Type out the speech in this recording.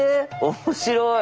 面白い！